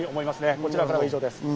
こちらからは以上です。